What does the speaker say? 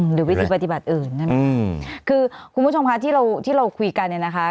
หรือวิธีปฏิบัติอื่นคือคุณผู้ชมคะที่เราคุยกันเนี่ยนะคะ